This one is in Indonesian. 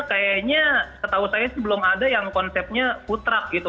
kayaknya setahu saya sih belum ada yang konsepnya food truck gitu